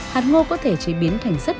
hạt ngô có thể chế biến thành sất